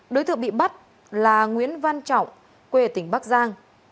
đối tượng bị bắt là nguyễn văn trọng quê tỉnh bắc giang